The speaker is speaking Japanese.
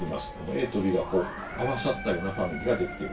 ＡとＢが合わさったようなファミリーが出来ている。